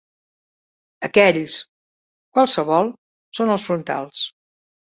Aquells, qualssevol, són als frontals.